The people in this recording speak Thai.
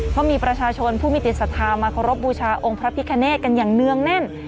เพราะมีประชาชนผู้มีจิตศรัทธามาเคารพบูชาองค์พระพิคเนตกันอย่างเนื่องแน่น